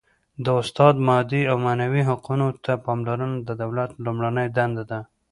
د استاد مادي او معنوي حقوقو ته پاملرنه د دولت لومړنۍ دنده ده.